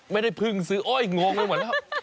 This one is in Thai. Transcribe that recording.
ไม่ได้เพิ่งซื้อโอ้ยงงเลยเหมือน